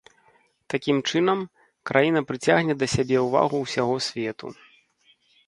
Такім чынам, краіна прыцягне да сябе ўвагу ўсяго свету.